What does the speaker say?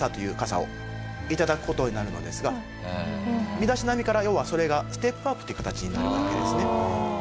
身だしなみから要はそれがステップアップという形になるわけですね。